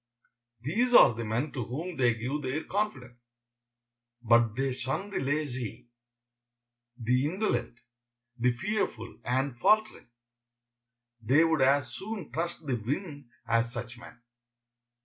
'" These are the men to whom they give their confidence. But they shun the lazy, the indolent, the fearful and faltering. They would as soon trust the wind as such men.